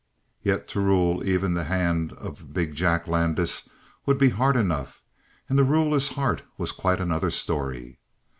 Yet to rule even the hand of big Jack Landis would be hard enough and to rule his heart was quite another story.